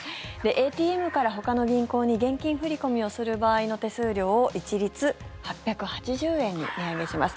ＡＴＭからほかの銀行に現金振り込みをする場合の手数料を一律８８０円に値上げします。